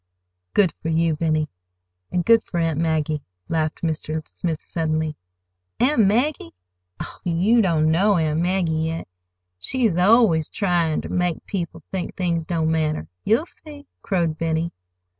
"Good for you, Benny,—and good for Aunt Maggie!" laughed Mr. Smith suddenly. "Aunt Maggie? Oh, you don't know Aunt Maggie, yet. She's always tryin' ter make people think things don't matter. You'll see!" crowed Benny.